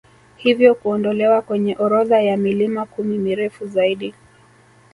Hivyo kuondolewa kwenye orodha ya milima kumi mirefu zaidi